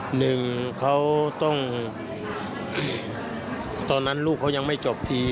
หนึ่งตอนนั้นลูกเขายังไม่จบที